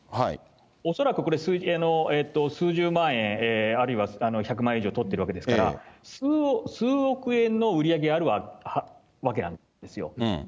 恐らくこれ、数十万円、あるいは１００万円以上取っているわけですから、数億円の売り上げはあるわけなんですよ。